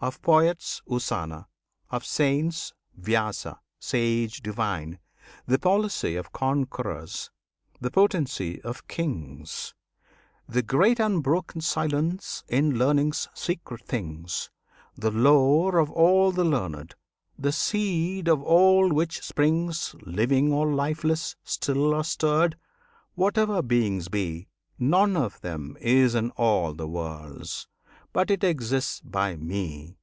Of poets Usana, of saints Vyasa, sage divine; The policy of conquerors, the potency of kings, The great unbroken silence in learning's secret things; The lore of all the learned, the seed of all which springs. Living or lifeless, still or stirred, whatever beings be, None of them is in all the worlds, but it exists by Me!